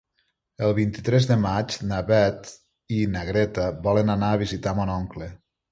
El vint-i-tres de maig na Beth i na Greta volen anar a visitar mon oncle.